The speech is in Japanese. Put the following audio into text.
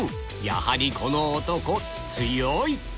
やはりこの男強い！